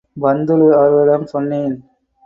பந்துலு அவர்களிடம் சொன்னேன்.